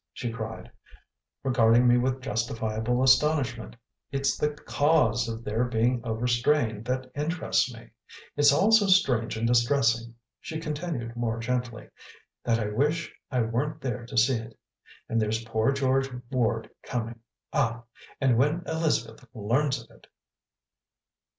she cried, regarding me with justifiable astonishment. "It's the CAUSE of their being overstrained that interests me! It's all so strange and distressing," she continued more gently, "that I wish I weren't there to see it. And there's poor George Ward coming ah! and when Elizabeth learns of it!"